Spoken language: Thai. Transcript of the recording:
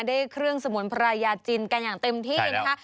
ได้เครื่องสมุนไพรยาจินกันอย่างเต็มที่นะคะ